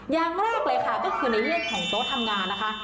อย่างแรกเลยค่ะก็คือในเรื่องของโต๊ะทำงานนะคะ